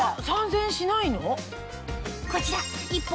３０００円しないの？